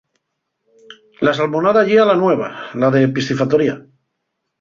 L'asalmonada yía la nueva, la de piscifactoría.